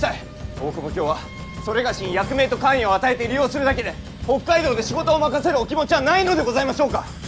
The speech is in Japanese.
大久保はそれがしに役名と官位を与えて利用するだけで北海道で仕事を任せるお気持ちはないのでございましょうか？